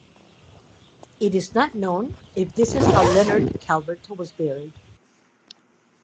It is not known if this is how Leonard Calvert was buried.